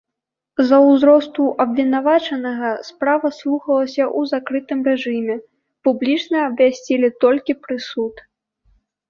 З-за ўзросту абвінавачанага справа слухалася ў закрытым рэжыме, публічна абвясцілі толькі прысуд.